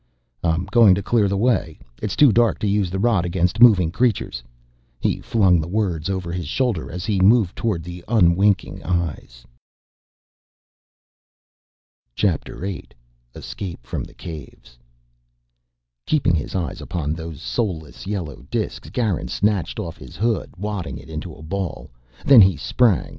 "I'm going to clear the way. It's too dark to use the rod against moving creatures...." He flung the words over his shoulder as he moved toward the unwinking eyes. CHAPTER EIGHT Escape from the Caves Keeping his eyes upon those soulless yellow disks, Garin snatched off his hood, wadding it into a ball. Then he sprang.